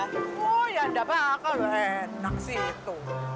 oh ya udah apa gak ketemu enak sih gitu